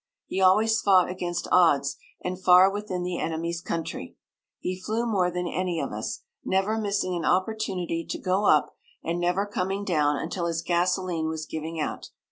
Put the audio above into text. He always fought against odds and far within the enemy's country. He flew more than any of us, never missing an opportunity to go up, and never coming down until his gasolene was giving out.